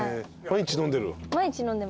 毎日飲んでる？